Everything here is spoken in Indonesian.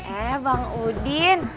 eh bang udin